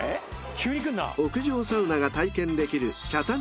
［屋上サウナが体験できる］